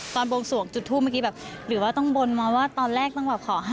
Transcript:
บวงสวงจุดทูปเมื่อกี้แบบหรือว่าต้องบนมาว่าตอนแรกต้องแบบขอให้